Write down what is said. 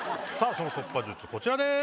その突破術こちらです。